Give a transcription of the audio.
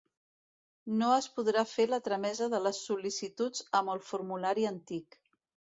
No es podrà fer la tramesa de les sol·licituds amb el formulari antic.